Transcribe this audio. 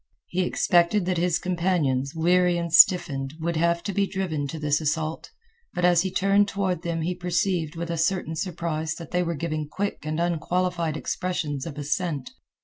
He expected that his companions, weary and stiffened, would have to be driven to this assault, but as he turned toward them he perceived with a certain surprise that they were giving quick and unqualified expressions of assent.